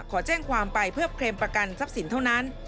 ขอแจ้งความไปเพื่อเคลมประกันทรัพย์สินเท่านั้น